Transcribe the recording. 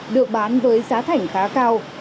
được bán với giá thảnh khá cao